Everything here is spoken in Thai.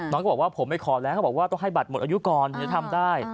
น้องก็บอกว่าผมไม่คอแล้วก็บอกว่าต้องให้บัตรหมดอายุก่อนจะทำได้